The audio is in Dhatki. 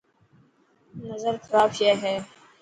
نظر خراب شي هي.